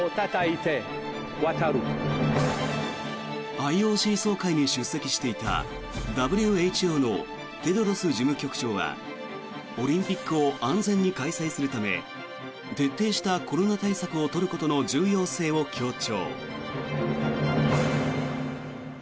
ＩＯＣ総会に出席していたＷＨＯのテドロス事務局長はオリンピックを安全に開催するため徹底したコロナ対策を取ることの重要性を強調。